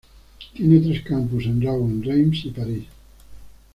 Tiene tres campus, en Rouen, Reims y París.